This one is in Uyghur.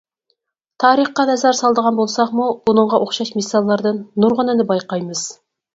تارىخقا نەزەر سالىدىغان بولساقمۇ، بۇنىڭغا ئوخشاش مىساللاردىن نۇرغۇنىنى بايقايمىز.